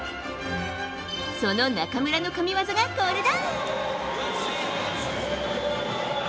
その中村の神技がこれだ！